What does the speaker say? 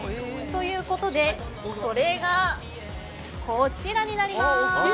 ということでそれがこちらになります。